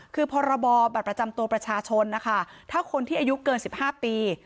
คือพรบบัตรประจำตัวประชาชนนะคะถ้าคนที่อายุเกิน๑๕ปี